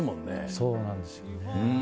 そうなんですよね。